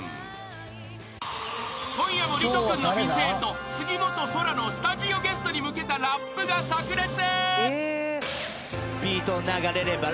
［今夜も莉斗君の美声と杉本青空のスタジオゲストに向けたラップが炸裂］